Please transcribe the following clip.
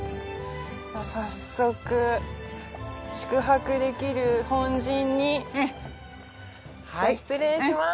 早速宿泊できる本陣に失礼します。